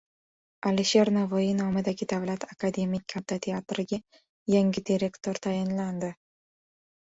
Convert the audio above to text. Alisher Navoiy nomidagi Davlat akademik katta teatriga yangi direktor tayinlandi